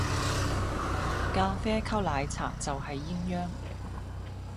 咖啡溝奶茶就係鴛鴦